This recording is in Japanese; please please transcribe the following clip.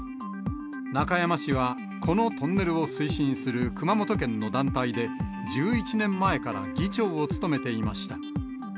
中山氏は、このトンネルを推進する熊本県の団体で、１１年前から議長を務めていました。